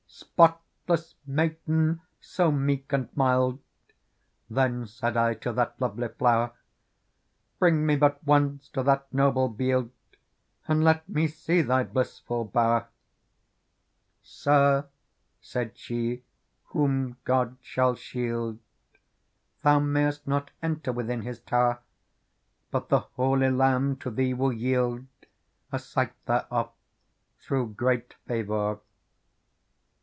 " Spotless maiden so meek and mild," Then said I to that lovely Flower, *' Bring me but once to that noble bield. And let me see thy blissful bower." " Sir," said she whom God shall shield, " Thou may;;stji'at euter^withi5i His tower ; But the Holy Lamb to thee will yield A sight thereof, through great fayo.qr.